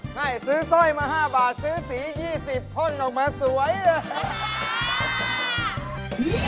ให้ซื้อสร้อยมา๕บาทซื้อสี๒๐พ่นออกมาสวยเลย